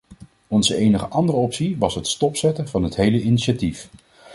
Onze enige andere optie was het stopzetten van het hele initiatief.